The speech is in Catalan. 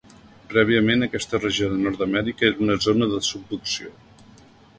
Prèviament aquesta regió de Nord-amèrica era una zona de subducció.